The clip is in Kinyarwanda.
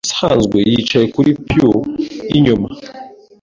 Ubusanzwe yicaye kuri pew yinyuma.